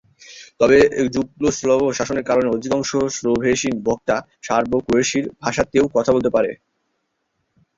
তবে যুগোস্লাভ শাসনের কারণে অধিকাংশ স্লোভেনীয় বক্তা সার্বো-ক্রোয়েশীয় ভাষাতেও কথা বলতে পারেন।